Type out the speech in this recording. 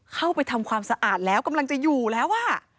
เข้าไปทำความสะอาดแล้วกำลังจะอยู่แล้ว